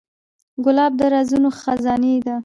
ګلاب د رازونو خزانې ده.